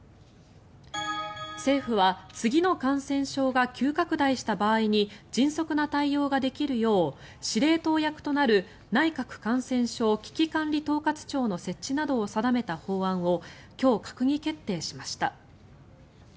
政府は次の感染症が急拡大した場合に迅速な対応ができるよう司令塔役となる内閣感染症危機管理統括庁の設置などを定めた法案を今日、閣議決定しました。